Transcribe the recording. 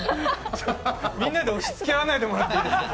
みんなで押しつけ合わないでもらっていいですか。